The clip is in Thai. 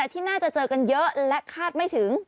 ที่น่าจะเจอกันเยอะและคาดไม่ถึง